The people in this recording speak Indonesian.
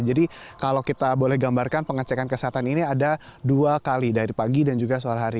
jadi kalau kita boleh gambarkan pengecekan kesehatan ini ada dua kali dari pagi dan juga sore hari